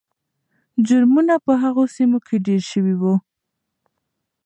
جرمونه په هغو سیمو کې ډېر سوي وو.